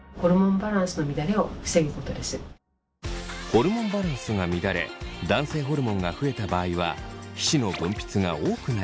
ホルモンバランスが乱れ男性ホルモンが増えた場合は皮脂の分泌が多くなります。